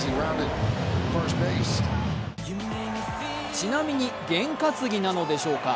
ちなみに、験担ぎなのでしょうか。